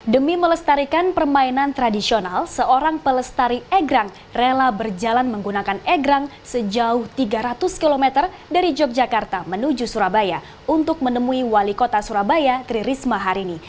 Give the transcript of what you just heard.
demi melestarikan permainan tradisional seorang pelestari egrang rela berjalan menggunakan egrang sejauh tiga ratus km dari yogyakarta menuju surabaya untuk menemui wali kota surabaya tri risma hari ini